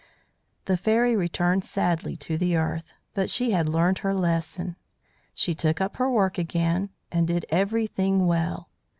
The Fairy returned sadly to the earth, but she had learned her lesson; she took up her work again and did everything well.